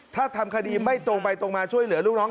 ถ้าทำคดีไม่ตรงไปตรงมาช่วยเหลือลูกน้อง